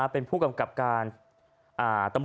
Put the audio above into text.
คุณผู้ชมไปฟังเสียงพร้อมกัน